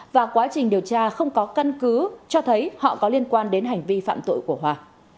và quá trình điều tra không có căn cứ cho thấy họ có liên quan đến hành vi phạm tội của hòa